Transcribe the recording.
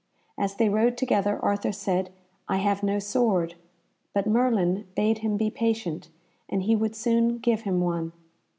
As they rode together Arthur said, "I have no sword," but Merlin bade him be patient and he would soon give him one.